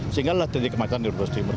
sehingga titik kemacetan di brebes timur